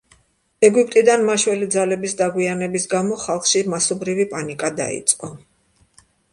ეგვიპტიდან მაშველი ძალების დაგვიანების გამო ხალხში მასობრივი პანიკა დაიწყო.